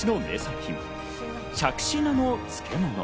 品しゃくし菜の漬物。